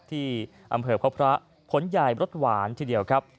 ที่อำเภอพบพระผลใหญ่รสหวานทีเดียวครับ